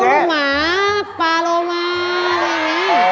แบบผู้หมาปลารมณ์